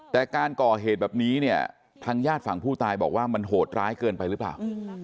แต่การก่อเหตุแบบนี้เนี่ยทางญาติฝั่งผู้ตายบอกว่ามันโหดร้ายเกินไปหรือเปล่า